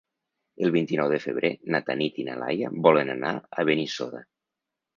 El vint-i-nou de febrer na Tanit i na Laia volen anar a Benissoda.